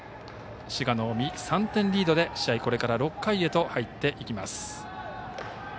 滋賀の近江、３点リードで試合、これから６回へと入っていきます。